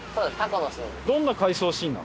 どんな回想シーンなの？